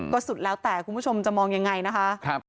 ก็สุดแล้วแต่คุณผู้ชมจะมองยังไงนะคะ